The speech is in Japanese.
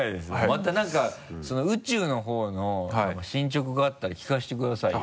またなんか宇宙の方の進捗があったら聞かせてくださいよ。